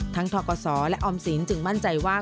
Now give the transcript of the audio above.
ทั้งทกศและออมศิลป์จึงมั่นใจว่า